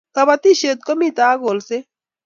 Kabatishet ko mito ak kolset